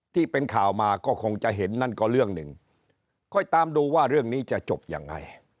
ที่เป็นข่าวมาก็คงจะเห็นนั่นก็เรื่องหนึ่งค่อยตามดูว่าเรื่องนี้จะจบยังไง